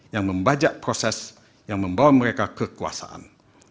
yang membajak proses yang membawa mereka kekuasaan